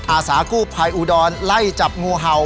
อาสากู้ภัยอุดรไล่จับงูเห่า